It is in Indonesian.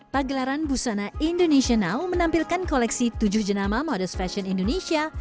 pagelaran busana indonesia now menampilkan koleksi tujuh jenama modest fashion indonesia